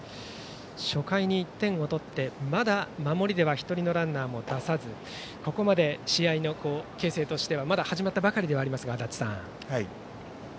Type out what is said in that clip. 初回に１点を取ってまだ守りでは１人のランナーも出さずここまで試合の形勢としてはまだ始まったばかりですが足達さん。